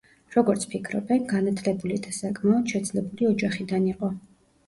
როგორც ფიქრობენ, განათლებული და საკმაოდ შეძლებული ოჯახიდან იყო.